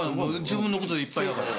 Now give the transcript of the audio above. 自分のことでいっぱいだから。